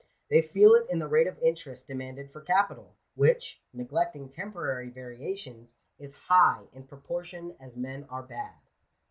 They feel it in the rate of interest demanded for capital, which (neglecting temporary variations) is high in proportion as men are bad*.